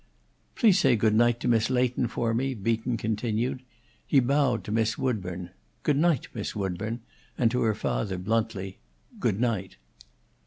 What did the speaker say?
"Please say good night to Miss Leighton for me," Beaton continued. He bowed to Miss Woodburn, "Goodnight, Miss Woodburn," and to her father, bluntly, "Goodnight."